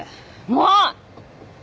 もう！